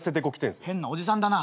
変なおじさんだな。